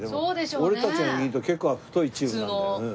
俺たちが握ると結構太いチューブなんだよ。